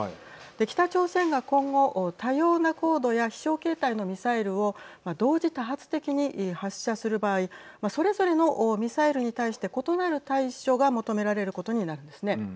北朝鮮が今後多様な高度や飛翔形態のミサイルを同時多発的に発射する場合それぞれのミサイルに対して異なる対処が求められることになるんですね。